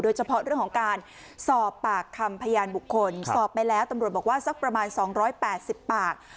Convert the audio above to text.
เฉพาะเรื่องของการสอบปากคำพยานบุคคลสอบไปแล้วตำรวจบอกว่าสักประมาณ๒๘๐ปาก